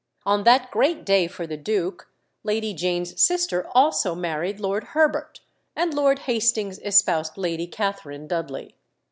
On that great day for the duke, Lady Jane's sister also married Lord Herbert, and Lord Hastings espoused Lady Catherine Dudley.